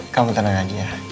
kamu tenang aja ya